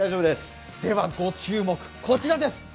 ではご注目、こちらです。